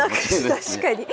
確かに。